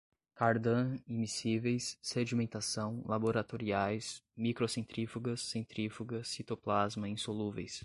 cardan, imiscíveis, sedimentação, laboratoriais, microcentrífugas, centrífuga, citoplasma, insolúveis